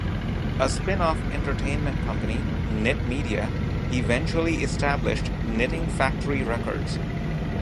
A spin-off entertainment company, KnitMedia, eventually established Knitting Factory Records.